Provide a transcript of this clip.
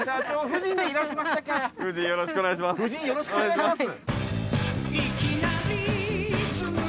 夫人よろしくお願いします。